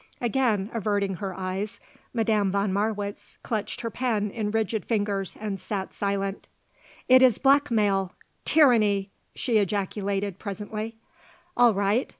Again averting her eyes, Madame von Marwitz clutched her pen in rigid fingers and sat silent. "It is blackmail! Tyranny!" she ejaculated presently. "All right.